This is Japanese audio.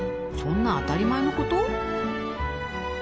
そんな当たり前のこと？